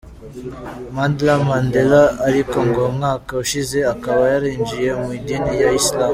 Mandla Mandela ariko ngo umwaka ushize akaba yarinjiye mu idini ya Islam.